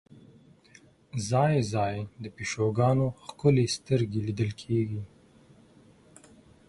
ځای ځای د پیشوګانو ښکلې سترګې لیدل کېږي.